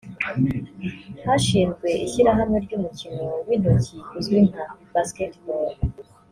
Hashinzwe ishyirahamwe ry’umukino w’intoki uzwi nka basketball